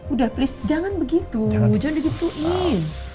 udah please jangan begitu jangan begituin